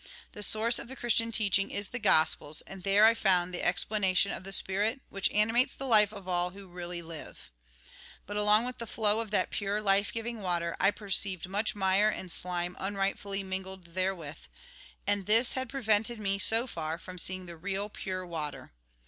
The source of the Christian teaching is the Gospels, and there I found the explanation of the spirit which animates the life of all who really hve. But along with the flow of that pure, life giving water I perceived much mire and slime unrightfully mingled therewith ; and this had pre vented me, so far, from seeing the real, pure water.